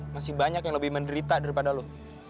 masih banyak yang lebih menderita daripada lu